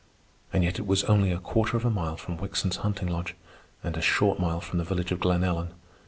And yet it was only a quarter of a mile from Wickson's hunting lodge, and a short mile from the village of Glen Ellen.